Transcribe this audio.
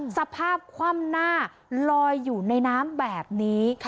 สภาพคว่ำหน้าลอยอยู่ในน้ำแบบนี้